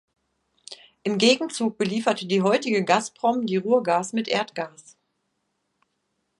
Im Gegenzug belieferte die heutige Gazprom die Ruhrgas mit Erdgas.